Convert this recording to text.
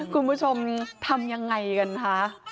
คุณผู้ชมทำยังไงกันคะ